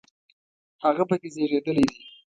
هغه په کې زیږېدلی دی.